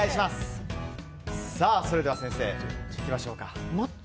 それでは先生、いきましょうか。